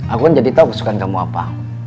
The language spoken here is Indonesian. aku kan jadi tahu kesukaan kamu apa